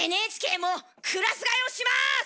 ＮＨＫもクラス替えをします！